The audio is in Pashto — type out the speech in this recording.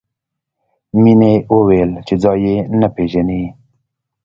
مینې وویل چې ځای یې نه پېژني